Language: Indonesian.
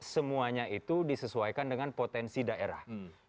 semuanya itu disesuaikan dengan potensi daerah